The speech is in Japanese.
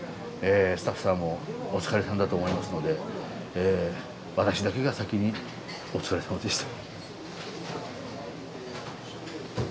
スタッフさんもお疲れさんだと思いますので私だけが先にお疲れさまでした。